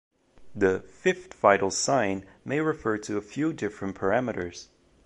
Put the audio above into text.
The "fifth vital sign" may refer to a few different parameters.